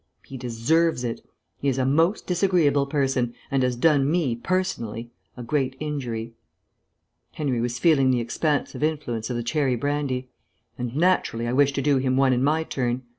He deserves it. He is a most disagreeable person, and has done me, personally, a great injury" (Henry was feeling the expansive influence of the cherry brandy) "and naturally I wish to do him one in my turn.